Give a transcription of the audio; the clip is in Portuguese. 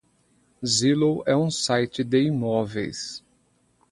Zillow é um site de imóveis.